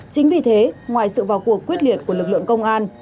chính vì thế ngoài sự vào cuộc quyết liệt của lực lượng công an